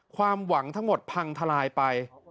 ความหวังทั้งหมดพังทลายไป